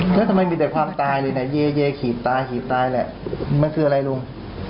ก็ทำไมมีแต่ความตายเลยนะเย้ขีดตาแหละมันคืออะไรลุง